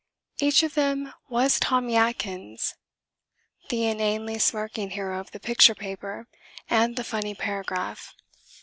Each of them was Tommy Atkins the inanely smirking hero of the picture paper and the funny paragraph.